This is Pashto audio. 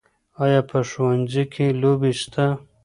آیا په ښوونځي کې لوبې سته؟